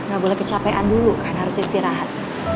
nggak boleh kecapean dulu kan harus istirahat